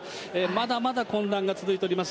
まだまだ混乱が続いております